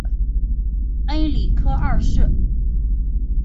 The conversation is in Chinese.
恩里克二世。